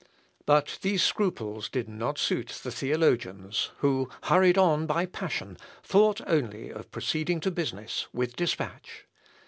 But these scruples did not suit the theologians, who, hurried on by passion, thought only of proceeding to business with despatch.